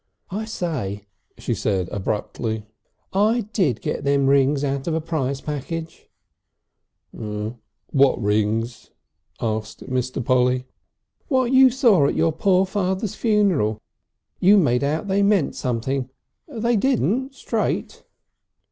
"I say," she said abruptly. "I did get them rings out of a prize packet." "What rings?" asked Mr. Polly. "What you saw at your poor father's funeral. You made out they meant something. They didn't straight."